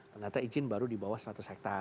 ternyata izin baru di bawah seratus hektare